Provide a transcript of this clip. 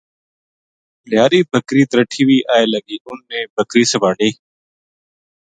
لیاری بکری ترٹھی وی آئے لگی انھ نے بکری سُمہالی